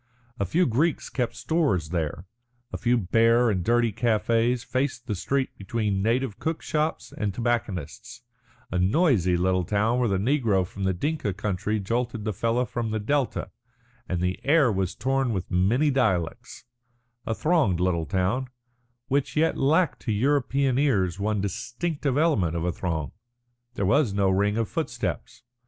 A few Greeks kept stores there, a few bare and dirty cafés faced the street between native cook shops and tobacconists'; a noisy little town where the negro from the Dinka country jolted the fellah from the Delta, and the air was torn with many dialects; a thronged little town, which yet lacked to European ears one distinctive element of a throng. There was no ring of footsteps.